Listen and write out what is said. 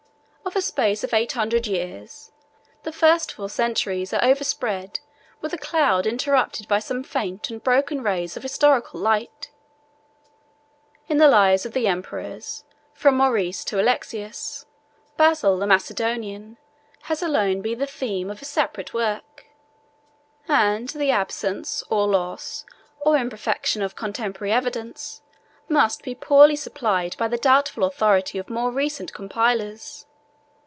Of a space of eight hundred years, the four first centuries are overspread with a cloud interrupted by some faint and broken rays of historic light: in the lives of the emperors, from Maurice to Alexius, Basil the Macedonian has alone been the theme of a separate work; and the absence, or loss, or imperfection of contemporary evidence, must be poorly supplied by the doubtful authority of more recent compilers.